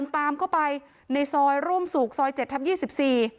ตามเข้าไปในซอยร่วมสูกซอย๗ทับ๒๔